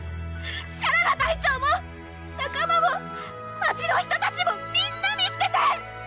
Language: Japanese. シャララ隊長も仲間も街の人たちもみんな見すてて！